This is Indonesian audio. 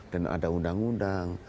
dan ada undang undang